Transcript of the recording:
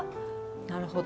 なるほど。